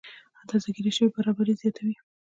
اندازه ګیره شوې برابري زیاتوي.